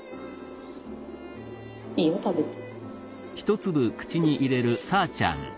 いいよ食べて。